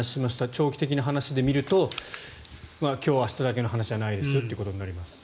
長期的な話で見ると今日明日だけの話ではないですよという話になります。